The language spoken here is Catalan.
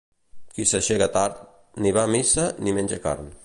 Qui s'aixeca tard, ni va a missa ni menja carn.